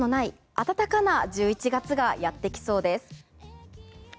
暖かな１１月がやってきそうです。